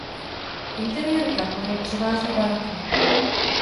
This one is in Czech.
Interiér kaple je převážně barokní.